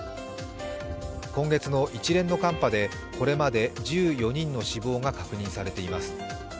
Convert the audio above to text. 今月の一連の寒波でこれまで１４人の死亡が確認されています。